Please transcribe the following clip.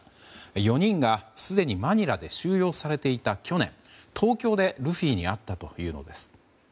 ４人がすでにマニラで収容されていた去年東京でルフィに会ったというのです。